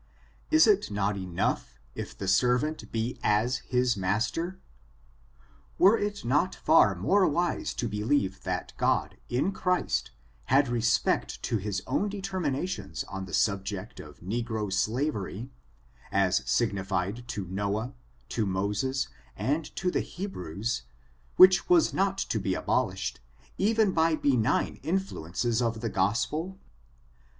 Is it not ^^^^vwv^% 808 ORIGIN, THARACTER} AND enough, if the servant be as his master? Were it not far more wise to believe that God, in Christ, had respect to his own determinations on the subject of negro slavery, as signified to Noahj to Moses, and to the Hebrews, which was not to be abolished, even by the benign influences of the Gospel?